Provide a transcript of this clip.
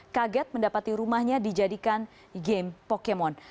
kaget mendapati rumahnya dijadikan game pokemon